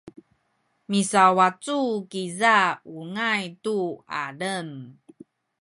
misawacu kiza ungay tu alem